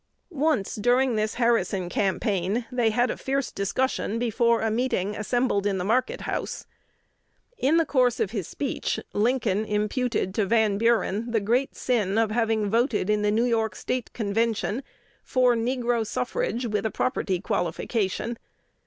Once during this Harrison campaign they had a fierce discussion before a meeting assembled in the market house. In the course of his speech, Lincoln imputed to Van Buren the great sin of having voted in the New York State Convention for negro suffrage with a property qualification.